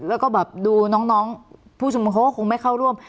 แล้วก็แบบดูน้องผู้ชุมนุมเขาก็คงไม่เข้าร่วม